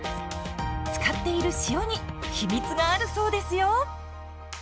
使っている塩に秘密があるそうですよ。